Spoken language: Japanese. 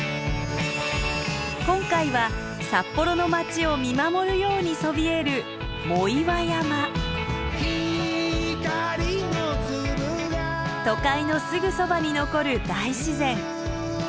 今回は札幌の街を見守るようにそびえる都会のすぐそばに残る大自然。